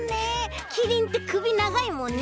キリンってくびながいもんね。